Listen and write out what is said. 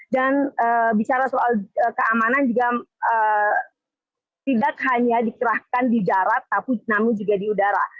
dan bicara soal keamanan juga tidak hanya dikerahkan di jarak tapi juga di udara